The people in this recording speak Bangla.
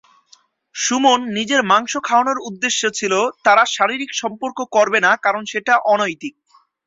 সুমন নিজের মাংস খাওয়ানোর উদ্দেশ্য ছিল তারা শারীরিক সম্পর্ক করবে না কারণ সেটা অনৈতিক।